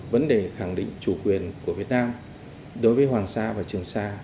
vấn đề khẳng định chủ quyền của việt nam đối với hoàng sa và trường sa